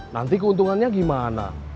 nanti keuntungannya gimana